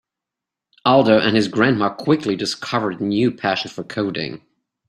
Aldo and his grandma quickly discovered a new passion for coding.